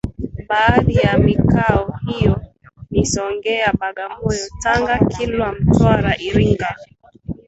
baadhi ya mikoa hio ni songea bagamoyo Tanga kilwa mtwara iringa